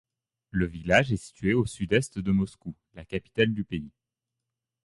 Le village est situé à au Sud-Ouest de Moscou, la capitale du pays.